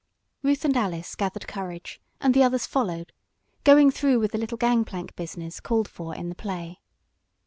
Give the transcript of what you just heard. Ruth and Alice gathered courage and the others followed, going through with the little gang plank "business" called for in the play.